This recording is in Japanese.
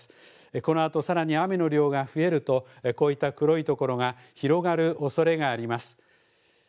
このあとさらに雨の量が増えると、こういった黒い所が広がるおそれがあります。